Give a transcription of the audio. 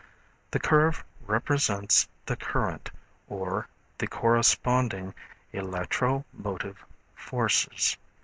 The curve represents the current, or the corresponding electro motive forces.